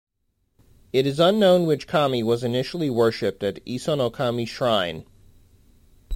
It is unknown which kami was initially worshipped at Isonokami shrine.